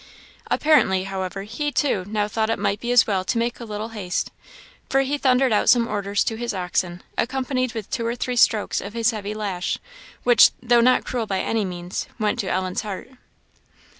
Apparently, however, he, too, now thought it might be as well to make a little haste, for he thundered out some orders to his oxen, accompanied with two or three strokes of his heavy lash, which, though not cruel by any means, went to Ellen's heart.